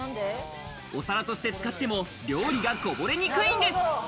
お皿として使っても料理がこぼれにくいんです。